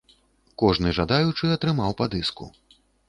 Кожны жадаючы атрымаў па дыску.